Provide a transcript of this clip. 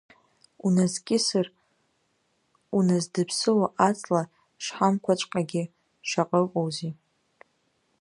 Уназкьысыр уназдыԥсыло аҵла шҳамқәаҵәҟьагьы шаҟа ыҟоузеи!